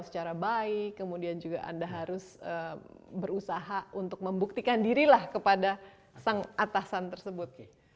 secara baik kemudian anda juga harus berusaha untuk membuktikan dirilah kepada atasan tersebut